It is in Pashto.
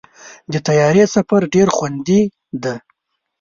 د طیارې سفر ډېر خوندي دی.